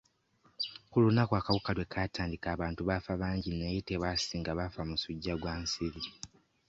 Ku lunaku akawuka lwe kaatandika abantu baafa bangi naye tebaasinga baafa musujja gwa nsiri.